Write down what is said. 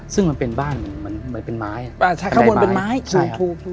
ซึ่งมันเป็นบ้านเหมือนเป็นไม้ใกล้ไม้